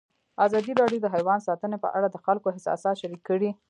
ازادي راډیو د حیوان ساتنه په اړه د خلکو احساسات شریک کړي.